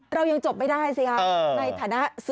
เรายังจบไม่ได้สิครับในฐานะสื่อมนชน